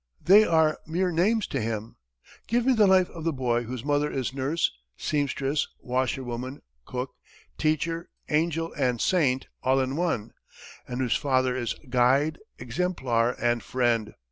They are mere names to him. Give me the life of the boy whose mother is nurse, seamstress, washerwoman, cook, teacher, angel and saint, all in one, and whose father is guide, exemplar, and friend.